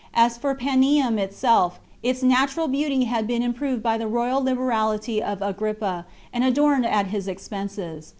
As for Panium itself, its natural beauty had been improved by the royal liberality of Agrippa, and adorned at his expenses.